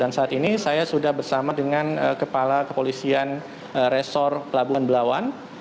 dan saat ini saya sudah bersama dengan kepala kepolisian resor pelabuhan belawan